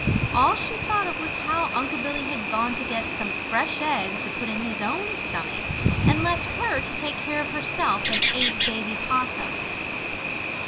All she thought of was how Unc' Billy had gone to get some fresh eggs to put in his own stomach and left her to take care of herself and eight baby Possums.